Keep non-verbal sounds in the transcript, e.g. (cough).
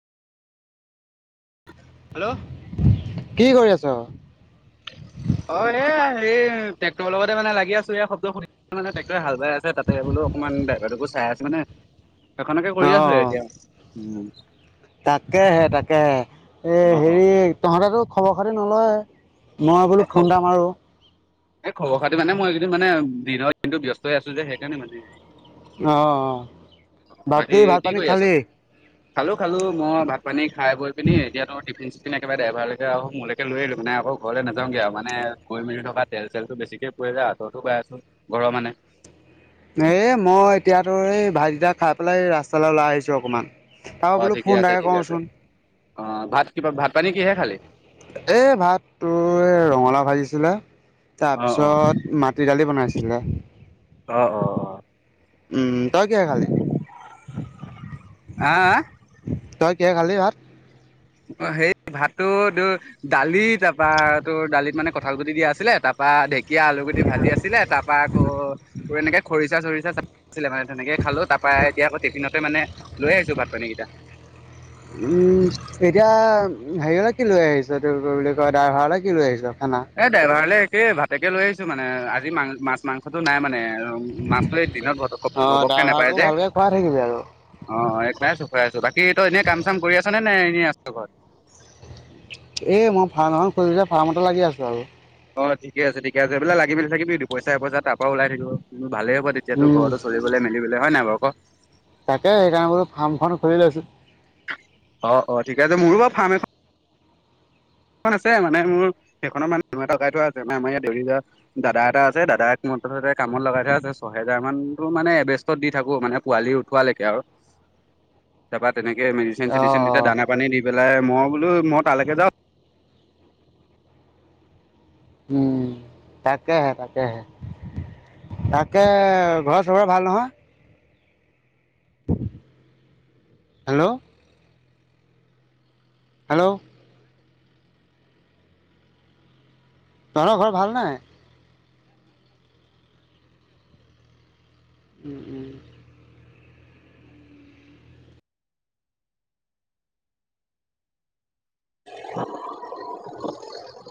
Hello কি কৰি আছ? অ', এ এই ট্ৰেক্টৰৰ লগতে মানে লাগি আছো এইয়া শব্দ (unintelligible) মানে ট্ৰেক্টৰ হাল বাই আছে তাতে বোলো অকণমান ড্ৰাইভাতোকো চাই আছোঁ মানে এখনকে কৰি আছিলে এতিয়া উম। তাকে হে তাকে হে এ অ অ হেৰি তহঁতেতো খবৰ খাতি নলওঁয়ে। মই বোলো ফোনতা‌‌ মাৰো। এই খবৰ খাটি মানে মই এইদিন মানে দিনৰ দিনটো ব্যস্ত হৈ আছো যে, সেইকাৰণে মানে অ', বাকী ভাত কি পানী কৰি আছ খালি? খালো, খালো মই ভাত পানী খাই বৈ পিনি এতিয়া ত টিফিন (unintelligible) ড্ৰাইভাৰলৈকে আউ মোলৈকে লৈ আহিলো মানে আক ঘৰলৈ নাযাওগে আৰু মানে গৈ মেলি থকা তেল চেলটো বেছিকে হাততো পাই আছো ঘৰৰ মানে এ মই এতিয়াতো এই ভাতকেইটা খাই পেলাই ৰাস্তালৈ ওলাই আহিছো অকমান অ (unintelligible) বোলো ঠিকে আছে ফোনতায়ে ঠিকে আছে কৰোচোন। অ', ভাত কিবা ভাত পানী কিহে খালি এ ভাত তোৰ এ ৰঙালাও ভাজিছিলে। অ অ তাৰপিছত মাটি দালি বনাইছিলে। অ', অ'। উম, তই কিহে খালি? আহ তই কি খালি ভাত? অ', সেই ভাতটো তোৰ দালি তাৰপা তোৰ দালিত মানে কঁঠাল গুটি দিয়া আছিলে তা পা ঢেকীয়া, আলু গুটি ভাজি আছিলে তা পা আকৌ তোৰ এনেকে খৰিচা চৰিচা‌ ছিলে মানে তেনেকে খালো তাৰ পৰা এতিয়া আকৌ টিফিনত মানে লৈ আহিছো ভাত পানীকিটা উম, এতিয়া হেৰিয়লে কি লৈ আহিছ ত বুলি কয় ড্ৰাইভাৰলৈ কি লৈ আহিছ? খানা? এ ড্ৰাইভাৰলে একেই ভাতেকে লৈ আহিছো মানে আজি মাং মাছ মাংসতটো নাই মানে। মাছটো এই দিনত ভতক অ ভবককে নাপায় ড্ৰাইভাৰকো যে, ভালকে খুৱাই থাকিবি আৰু অ', পাই আছো আছো বাকী তই এনেই কাম চাম কৰি আছ নে নে এনেই আছ ঘৰত? এ মই ফাৰ্ম এখন খুলিলো যে, ফাৰ্মতে লাগি আছো আৰু। অ', ঠিকেই আছে, ঠিকেই আছে এইবিলাক লাগিমেলি থাকিবি দুপইচা‌ এপইচা‌ তাৰ পৰা ওলাই থাকিব। ভালেই হ'ব, তেতিয়াতো উম ঘৰতো চলিবলৈ মেলিবলৈ হয় নাই বাৰু ক? তাকে সেইকাৰণে বোলো ফাৰ্মখন খুলি লৈছো। অ', অ', ঠিক আছে মোৰো বাৰু ফাৰ্ম এখন সেইখন আছে মানে মোৰ, সেইখনৰ মানে এটা গাই থোৱা আছে মানে আমাৰ ইয়াত দেউৰী (unintelligible) দাদা এটা আছে দাদাক মক ততে কামত লগাই থোৱা আছে ছহেজাৰ মানতো মানে এভেষ্টত দি থাকো মানে পোৱালি উঠোৱালেকে আৰু। তাৰাপা তেনেকে মেডিচিন অ চেডিচিন তেতিয়া দানা পানী দি পেলাই মই বোলো মই তালেকে যাওঁ উম, তাকেহে, তাকেহে। তাকে ঘৰৰ চবৰে ভাল নহয়? হেল্ল'। হেল্ল' তহঁতৰ ঘৰ ভাল নাই? উম, উম।